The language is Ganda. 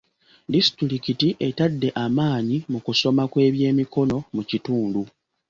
Disitulikiti etadde amaanyi mu kusoma kw'ebyemikono mu kitundu.